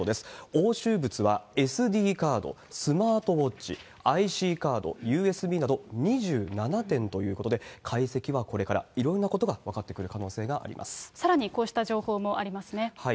押収物はＳＤカード、スマートウォッチ、ＩＣカード、ＵＳＢなど２７点ということで、解析はこれから、いろんなことがさらにこうした情報もありますね。